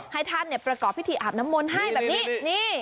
ให้ท่านประกอบพิธีอาบน้ำมนต์ให้แบบนี้นี่